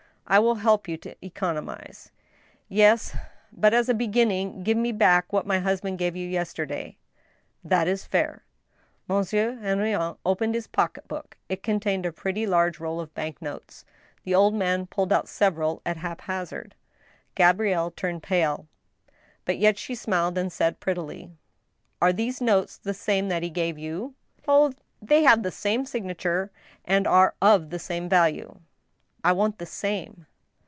" I will help you to economize." " Yes. But as a beginning give me back what my husband gave you yesterday." "That is but fair." Monsieur Henrion opened his pocket book. It contained a pretty large roll of bank notes. The old man pulled out several at hap hazard. Gabrielle turned pale. But yet she smiled, and said, prettily :" Are these notes the same that he gave you ?"" Oh ! they have the same signature, and are of the same value." " I want the same."